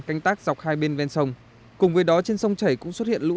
canh tác dọc hai bên ven sông cùng với đó trên sông chảy cũng xuất hiện lũ